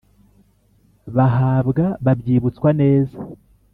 bahabwa babyibutswa neza.